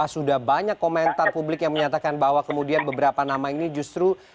sudah banyak komentar publik yang menyatakan bahwa kemudian beberapa nama ini justru